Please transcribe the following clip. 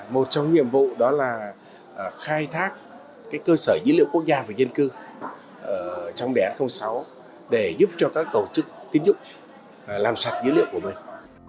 một trong nhiệm vụ đó là khai thác cơ sở dữ liệu quốc gia về dân cư trong đề án sáu để giúp cho các tổ chức tín dụng làm sạch dữ liệu của mình